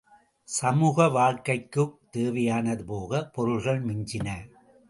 சமூக வாழ்க்கைக்குத் தேவையானது போக பொருள்கள் மிஞ்சின.